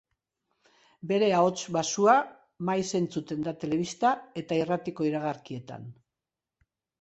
Bere ahots baxua maiz entzuten da telebista eta irratiko iragarkietan.